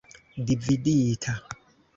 dividita